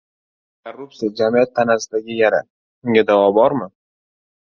Korrupsiya — jamiyat tanasidagi yara. Unga davo bormi?